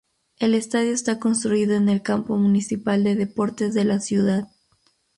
El estadio está construido en el Campo Municipal de Deportes de la ciudad.